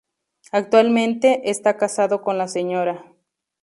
Actualmente esta casado con la "Sra.